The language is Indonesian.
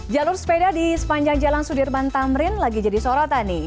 jalur sepeda di sepanjang jalan sudirman tamrin lagi jadi sorotan nih